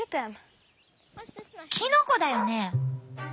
キノコだよね？